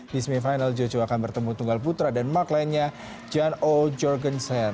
di semifinal jojo akan bertemu tunggal putra denmark lainnya john o jorgensen